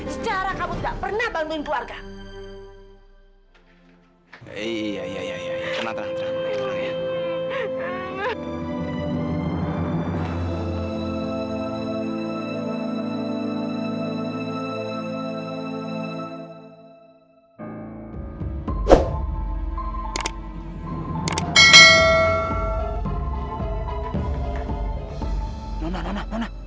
sejarah kamu tidak pernah bantuin keluarga